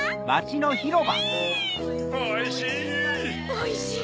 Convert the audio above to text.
・おいしい！